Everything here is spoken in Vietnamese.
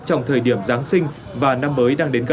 trong thời điểm giáng sinh và năm mới đang đến gần